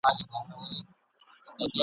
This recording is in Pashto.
خو د ننګ خلک دي جنګ ته لمسولي ..